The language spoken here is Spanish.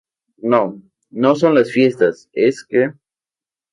no, no son las fiestas, es que...